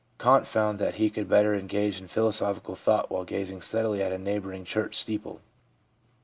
Kant found that he could better engage in philosophical thought while gazing steadily at a neighbouring church steeple.